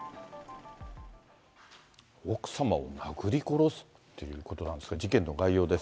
奥様を殴り殺すっていうことなんですが、事件の概要です。